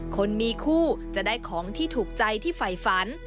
คนมีคู่จะได้ของที่ถูกใจที่ฝ่ายฝัน